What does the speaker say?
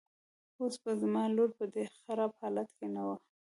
اوس به زما لور په دې خراب حالت کې نه وه.